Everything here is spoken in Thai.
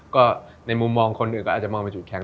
ก็ในมุมมองคนอื่นก็อาจจะมองเป็นจุดแข็ง